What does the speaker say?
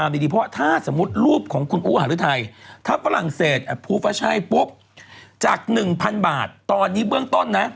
แวงโกะที่หูหายไปข้าง